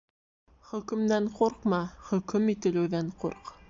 Хөкөмдән ҡурҡма, хөкөм ителеүҙән ҡурҡ.